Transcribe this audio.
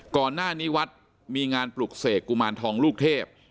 ก่อนหน้านี้วัดมีงานปลุกเสกกุมารทองลูกเทพ